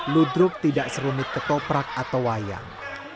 ludruk tidak serumit ketoprak atau wayang